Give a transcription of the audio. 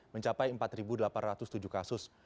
mencapai empat delapan ratus tujuh kasus